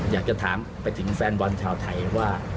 อยากจะถามไปถึงแฟนบอลชาวไทยว่า